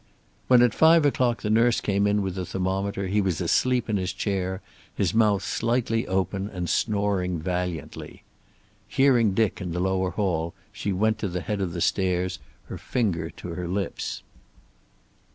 When at five o'clock the nurse came in with a thermometer he was asleep in his chair, his mouth slightly open, and snoring valiantly. Hearing Dick in the lower hall, she went to the head of the stairs, her finger to her lips.